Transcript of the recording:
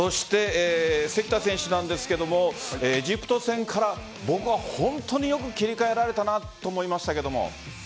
関田選手なんですがエジプト戦から、僕は本当によく切り替えられたなと思いましたけど。